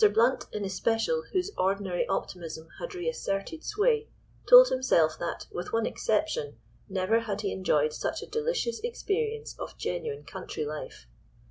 Blount, in especial, whose ordinary optimism had reasserted sway, told himself that (with one exception) never had he enjoyed such a delicious experience of genuine country life.